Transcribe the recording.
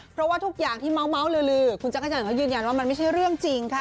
เพราะว่าทุกอย่างที่เมาส์ลือคุณจักรจันทร์เขายืนยันว่ามันไม่ใช่เรื่องจริงค่ะ